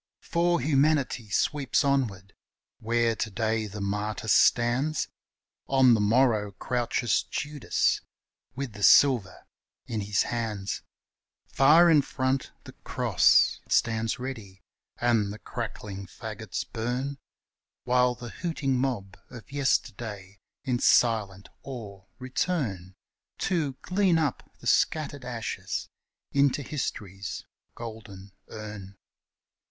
For Humanity sweeps onward: where to day the martyr stands, On the morrow crouches Judas with the silver in his hands; Far in front the cross stands ready and the crackling fagots burn, While the hooting mob of yesterday in silent awe return To glean up the scattered ashes into History's golden urn.